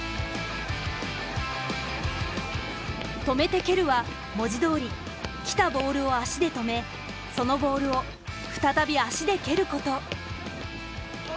「止めて蹴る」は文字どおり来たボールを足で止めそのボールを再び足で蹴ること。